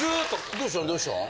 どうしたんどうしたん？